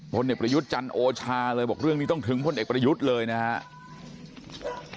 เด็กประยุทธ์จันทร์โอชาเลยบอกเรื่องนี้ต้องถึงพลเอกประยุทธ์เลยนะครับ